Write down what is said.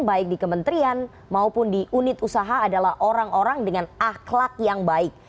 baik di kementerian maupun di unit usaha adalah orang orang dengan akhlak yang baik